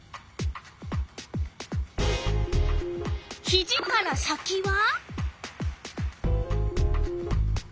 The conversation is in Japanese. ひじから先は？